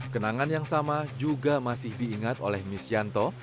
kenangan yang sama juga masih diingat oleh miss yanto